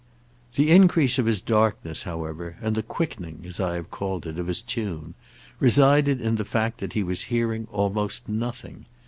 The increase of his darkness, however, and the quickening, as I have called it, of his tune, resided in the fact that he was hearing almost nothing.